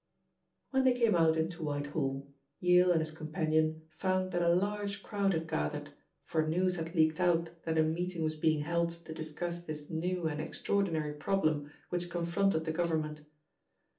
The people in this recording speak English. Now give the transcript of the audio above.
When they came out into Whitehall, Yale and his companion found that a large crowd had gathered, for news had leaked out that a meeting was being held to discuss this new and extraordinary problem which confronted the Government.